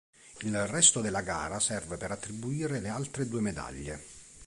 Il resto della gara serve per attribuire le altre due medaglie.